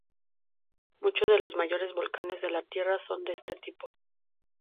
Muchos de los mayores volcanes de la tierra son de este tipo.